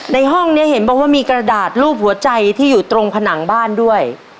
ในห้องนี้เห็นบอกว่ามีกระดาษรูปหัวใจที่อยู่ตรงผนังบ้านด้วย